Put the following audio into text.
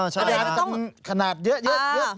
ใช่ขนาดเยอะเหมือน๓๐ล้านไหมเนี่ย